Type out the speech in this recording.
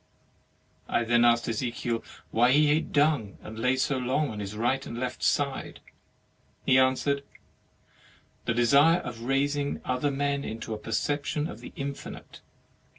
I then asked Ezekiel why he ate dung, and lay so long on his right and 24 HEAVEN AND HELL left side. He answered: "The desire of raising other men into a perception of the infinite.